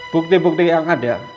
bukti bukti yang ada